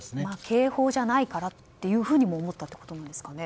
警報じゃないからっていうふうにも思ったということなんですかね。